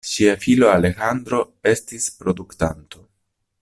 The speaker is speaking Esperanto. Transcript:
Ŝia filo Alejandro estas produktanto.